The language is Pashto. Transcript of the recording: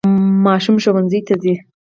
ماشوم ښوونځي ته ځي.